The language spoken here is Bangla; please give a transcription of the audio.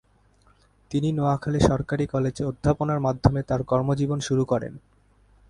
তিনি নোয়াখালী সরকারি কলেজে অধ্যাপনার মাধ্যমে তার কর্মজীবন শুরু করেন।